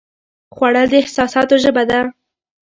خوړل د احساساتو ژبه ده